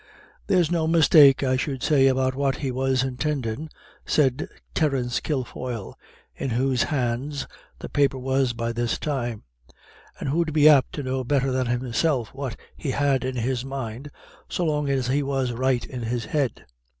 "There's no mistake, I should say, about what he was intendin'," said Terence Kilfoyle, in whose hands the paper was by this time; "and who'd be apt to know better than himself what he had in his mind so long as he was right in his head."